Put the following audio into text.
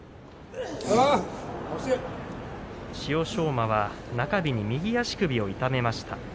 馬は中日右足首を痛めました。